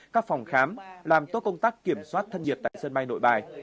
các phòng khám làm tốt công tác kiểm soát thân nhiệt tại sân bay nội bài